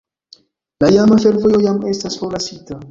La iama fervojo jam estas forlasita.